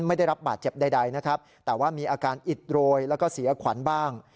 ไม่ได้รับบาดเจ็บใดนะครับแต่ว่ามีอาการอิดโรยแล้วก็เสียขวัญบ้าง